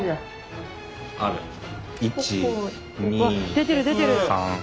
出てる出てる。